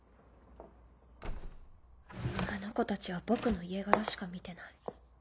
あの子たちは僕の家柄しか見てない。